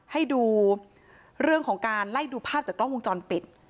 ให้ดูเรื่องของการไล่ดูภาพจากกล้องวงจรปิด